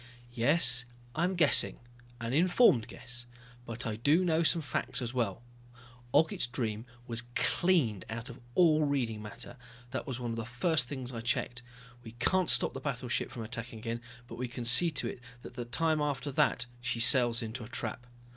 "Yes, I'm guessing an informed guess but I do know some facts as well. Ogget's Dream was cleaned out of all reading matter, that was one of the first things I checked. We can't stop the battleship from attacking again, but we can see to it that the time after that she sails into a trap."